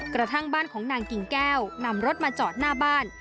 กระทั่งบ้านของนางกิ่งแก้วนำรถมาจอดหน้าบ้าน